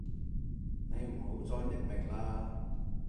你唔好再匿名喇